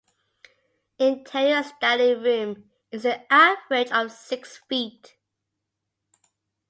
Interior standing room is an average of six feet.